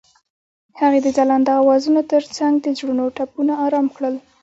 هغې د ځلانده اوازونو ترڅنګ د زړونو ټپونه آرام کړل.